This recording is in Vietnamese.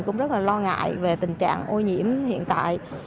cũng rất là lo ngại về tình trạng ô nhiễm hiện tại